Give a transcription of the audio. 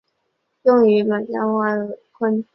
用于将苯胺类和酚氧化为醌。